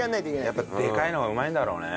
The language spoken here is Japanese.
やっぱでかいのはうまいんだろうね。